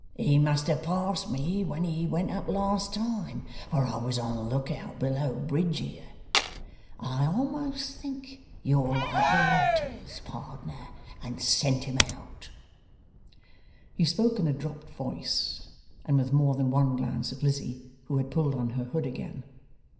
He must have passed me when he went up last time, for I was on the lookout below bridge here. I a'most think you're like the wulturs, pardner, and scent 'em out.' He spoke in a dropped voice, and with more than one glance at Lizzie who had pulled on her hood again.